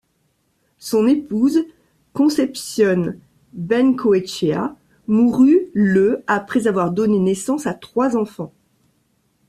Son épouse Conception Bengoechea mourut le après avoir donné naissance à trois enfants.